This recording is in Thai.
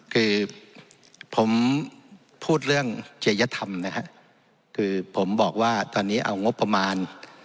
คือผมพูดเรื่องเจยธรรมนะฮะคือผมบอกว่าตอนนี้เอางบประมาณ